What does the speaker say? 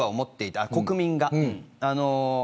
国民が。